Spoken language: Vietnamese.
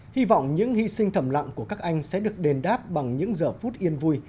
hy vọng những hy sinh thầm lặng của các anh sẽ được đền đáp bằng những giờ phút yên vui